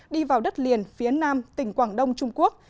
đi vào đất liền phía nam tỉnh quảng đông trung quốc